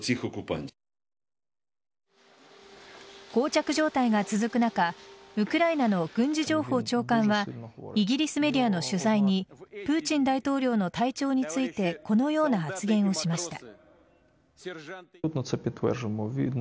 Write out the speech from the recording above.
膠着状態が続く中ウクライナの軍事情報長官はイギリスメディアの取材にプーチン大統領の体調についてこのような発言をしました。